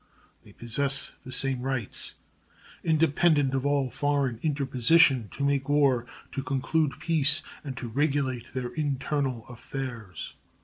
They possess the same rights, independent of all foreign interposition, to make war, to conclude peace, and to regulate their internal affairs.